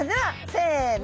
せの！